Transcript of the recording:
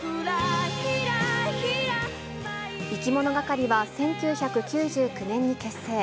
いきものがかりは１９９９年に結成。